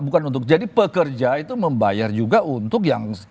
bukan untuk jadi pekerja itu membayar juga untuk yang